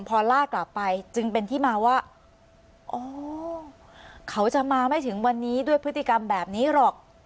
พอล่ากลับไปจึงเป็นที่มาว่าอ๋อเขาจะมาไม่ถึงวันนี้ด้วยพฤติกรรมแบบนี้หรอก